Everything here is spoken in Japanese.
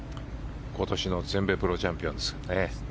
今年の全米プロチャンピオンですがね。